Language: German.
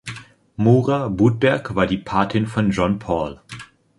Moura Budberg war die Patin von John Paul.